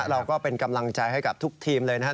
เราก็เป็นกำลังใจให้กับทุกทีมเลยนะครับ